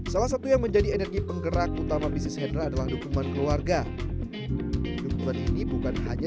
salah satu yang menjadi energi penggerak utama bisnis hendra adalah dukungan keluarga dukungan ini bukan hanya